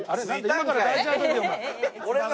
今から大事な時だよお前。